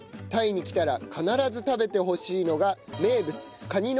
タイに来たら必ず食べてほしいのが。